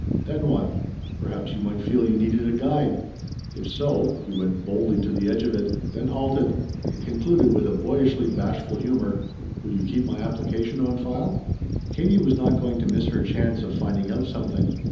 Then what? Perhaps you might feel you needed a guide. If so," he went boldly to the edge of it, then halted, and concluded with a boyishly bashful humor "will you keep my application on file?" Katie was not going to miss her chance of finding out something.